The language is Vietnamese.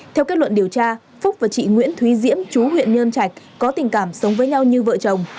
theo kết luận điều tra phúc và chị nguyễn thúy diễm chú huyện nhơn trạch có tình cảm sống với nhau như vợ chồng